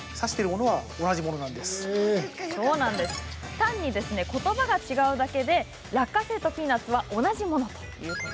単にことばが違うだけで落花生とピーナッツは同じもの。